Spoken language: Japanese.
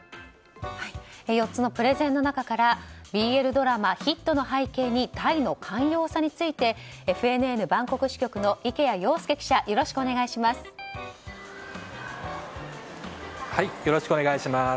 ４つのプレゼンの中からＢＬドラマヒットの背景にタイの寛容さについてＦＮＮバンコク支局の池谷庸介記者よろしくお願いします。